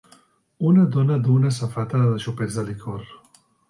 Una dona duu una safata de xopets de licor.